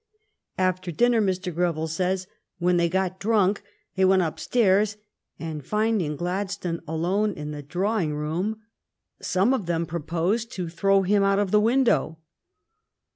*' After dinner," 173 174 THE STORY OF GLADSTONE'S LIFE Mr. Greville says, " when they got drunk, they went upstairs, and, finding Gladstone alone in the drawing room, some of them proposed to throw him out of the window.